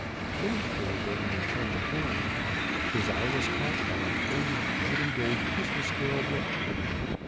Many people were waiting their turn before him. His eye was caught by a flaming red and gold Christmas carol book.